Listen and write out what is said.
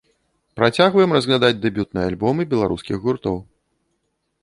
Працягваем разглядаць дэбютныя альбомы беларускіх гуртоў.